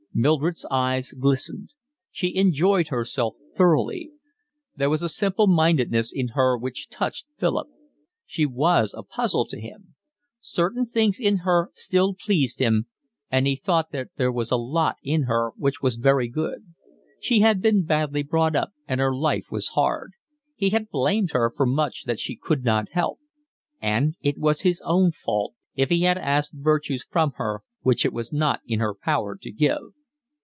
Mildred's eyes glistened. She enjoyed herself thoroughly. There was a simple mindedness in her which touched Philip. She was a puzzle to him. Certain things in her still pleased him, and he thought that there was a lot in her which was very good: she had been badly brought up, and her life was hard; he had blamed her for much that she could not help; and it was his own fault if he had asked virtues from her which it was not in her power to give.